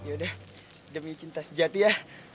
yaudah demi cinta sejati ya